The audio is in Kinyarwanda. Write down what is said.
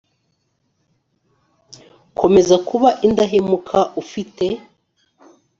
komeza kuba indahemuka ufite